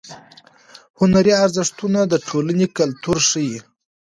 هنري ارزښتونه د ټولنې کلتور ښیي.